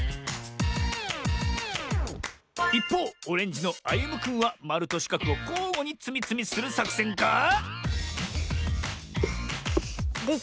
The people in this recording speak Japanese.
いっぽうオレンジのあゆむくんはまるとしかくをこうごにつみつみするさくせんか？